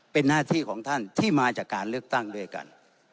เป็นหน้าที่ของท่านที่มาจากการเลือกตั้งด้วยกัน